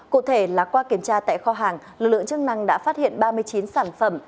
cụ thể là qua kiểm tra tại kho hàng lực lượng chức năng đã phát hiện ba mươi chín sản phẩm